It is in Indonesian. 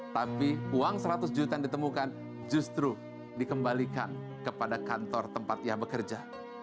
tapi uang seratus juta yang ditemukan justru dikembalikan kepada kantor tempat ia bekerja